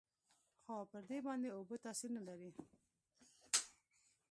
خو پر دې باندې اوبه تاثير نه لري.